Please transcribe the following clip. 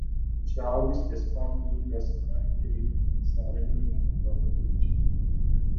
Jarvis reportedly does not take the salary and donates it.